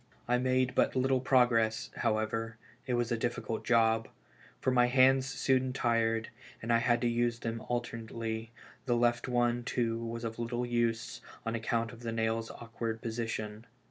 I made but little progress, however, it was a difficult job ; for my hands soon tired, and I had to use them alternately, the left one, too, was of little use, on account of the nail's awkward position.